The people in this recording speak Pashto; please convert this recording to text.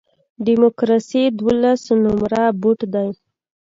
ډیموکراسي دولس نمره بوټ دی.